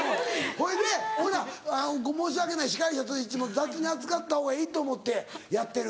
ほいで俺ら申し訳ない司会者としていつも雑に扱った方がいいと思ってやってる。